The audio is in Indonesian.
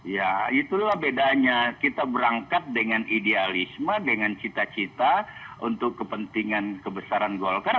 ya itulah bedanya kita berangkat dengan idealisme dengan cita cita untuk kepentingan kebesaran golkar